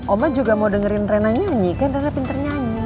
opa juga mau dengerin reina nyanyi kan reina pinter nyanyi